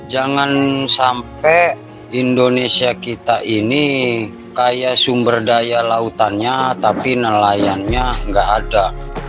jangan sampai indonesia kita ini kaya sumber daya lautannya tapi nelayannya nggak ada